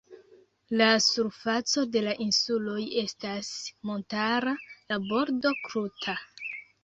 La surfaco de la insuloj estas montara, la bordo kruta.